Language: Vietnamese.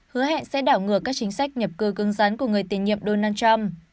hứa hẹn sẽ đảo ngược các chính sách nhập cư cưng rắn của người tín nhiệm donald trump